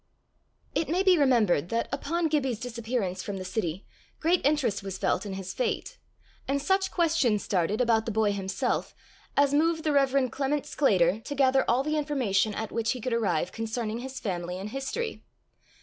It may be remembered that, upon Gibbie's disappearance from the city, great interest was felt in his fate, and such questions started about the boy himself as moved the Rev. Clement Sclater to gather all the information at which he could arrive concerning his family and history.